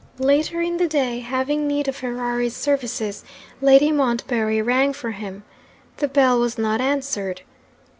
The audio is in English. Later in the day, having need of Ferrari's services, Lady Montbarry rang for him. The bell was not answered.